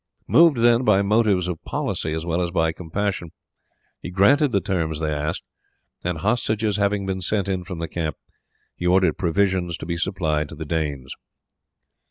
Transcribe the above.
Moved, then, by motives of policy as well as by compassion, he granted the terms they asked, and hostages having been sent in from the camp he ordered provisions to be supplied to the Danes.